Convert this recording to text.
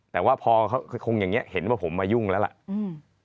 แต่ว่าพอเขาคงอย่างนี้เห็นว่าผมมายุ่งแล้วล่ะอืม